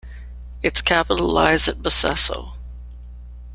Its capital lies at Bosaso.